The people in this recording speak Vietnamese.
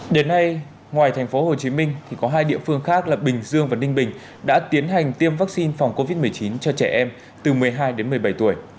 đến nay ngoài tp hcm thì có hai địa phương khác là bình dương và ninh bình đã tiến hành tiêm vaccine phòng covid một mươi chín cho trẻ em từ một mươi hai đến một mươi bảy tuổi